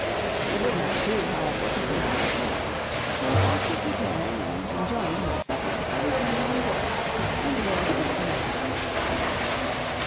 It would not do, however, to sleep on shore; so after preparing and enjoying my supper, I returned on board, and there spent the night.